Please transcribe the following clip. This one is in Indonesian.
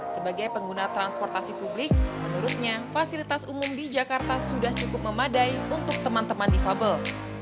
sebagai pengguna transportasi publik menurutnya fasilitas umum di jakarta sudah cukup memadai untuk teman teman difabel